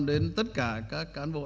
đến tất cả các cán bộ